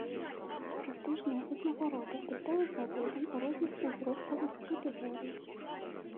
Прэстыжная ўзнагарода дасталася атлетам розных узроставых катэгорый.